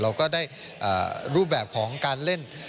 เราก็ได้รูปแบบของการเล่น